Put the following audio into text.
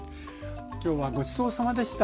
今日はごちそうさまでした。